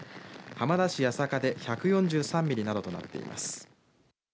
浜田市弥栄で１４３ミリなどとなっています。